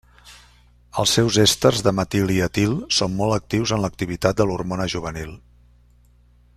Els seus èsters de metil i etil són molt actius en l'activitat de l'hormona juvenil.